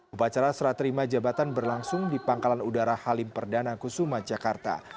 upacara serah terima jabatan berlangsung di pangkalan udara halim perdana kusuma jakarta